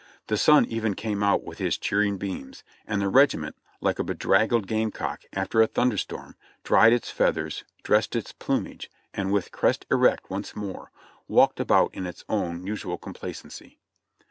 The sun even came out with his cheer ing beams, and the regiment, like a bedraggled game cock after a thunder storm, dried its feathers, dressed its plumage, and with crest erect once more, walked about in its own usual complacency.